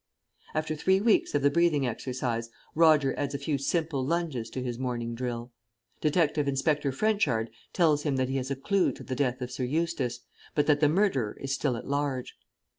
After three weeks of the breathing exercise, Roger adds a few simple lunges to his morning drill. Detective Inspector Frenchard tells him that he has a clue to the death of Sir Eustace, but that the murderer is still at large.